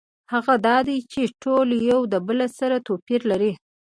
هغه دا دی چې ټول یو د بل سره توپیر لري.